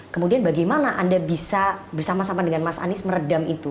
kemudian bagaimana anda bisa bersama sama dengan mas anies meredam itu